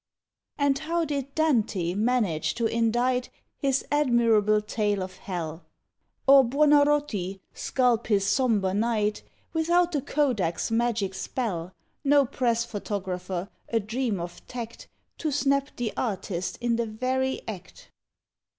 And how did DANTE manage to indite His admirable tale of Hell, Or BUONARROTI sculp his sombre "Night" Without the kodak's magic spell No Press photographer, a dream of tact, To snap the artist in the very act?